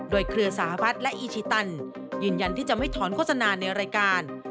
โดยเครือสหรัฐและอีชิตันยืนยันที่จะไม่ถอนโฆษณาในรายการ